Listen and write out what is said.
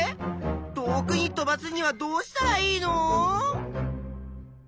遠くに飛ばすにはどうしたらいいの？